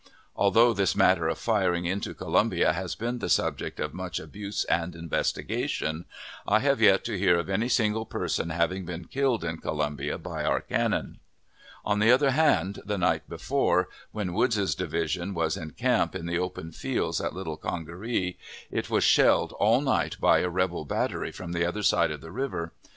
Although this matter of firing into Columbia has been the subject of much abuse and investigation, I have yet to hear of any single person having been killed in Columbia by our cannon. On the other hand, the night before, when Woods's division was in camp in the open fields at Little Congaree, it was shelled all night by a rebel battery from the other aide of the river.